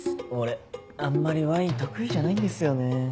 俺あんまりワイン得意じゃないんですよね。